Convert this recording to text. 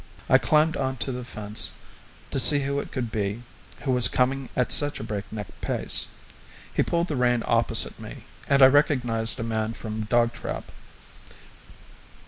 I climbed on to the fence to see who it could be who was coming at such a breakneck pace. He pulled the rein opposite me, and I recognized a man from Dogtrap.